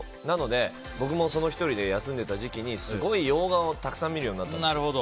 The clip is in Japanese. なので、僕もその１人で休んでた時期にすごい洋画をたくさん見るようになったんです。